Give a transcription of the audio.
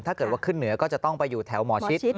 ถ้าเกิดว่าขึ้นเหนือก็จะต้องไปอยู่แถวหมอชิด